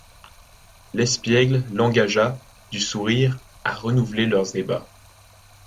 L'espiègle l'engagea, du sourire, à renouveler leurs ébats.